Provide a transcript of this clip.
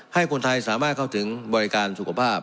ให้คนไทยสามารถเข้าถึงบริการสุขภาพ